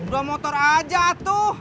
dua motor aja atuh